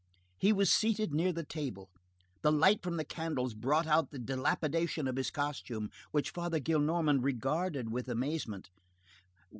He was seated near the table, the light from the candles brought out the dilapidation of his costume, which Father Gillenormand regarded with amazement.